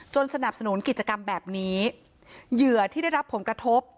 สนับสนุนกิจกรรมแบบนี้เหยื่อที่ได้รับผลกระทบ